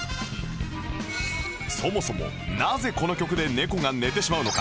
そもそもなぜこの曲で猫が寝てしまうのか？